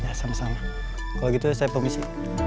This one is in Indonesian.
ya sama sama kalau gitu saya komisi